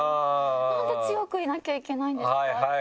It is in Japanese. なんで強くいなきゃいけないんですか？